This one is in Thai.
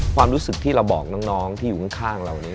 ความรู้สึกที่เราบอกน้องที่อยู่ข้างเรานี้